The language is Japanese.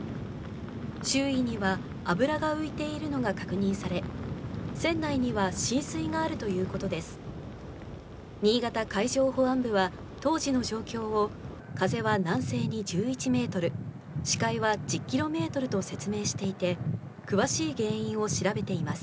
周囲には油が浮いているのが確認され、船内には浸水があるということです。